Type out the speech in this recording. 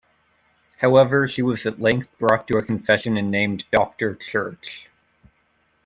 However she was at length brought to a confession and named Doctor Church.